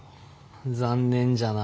残念じゃな。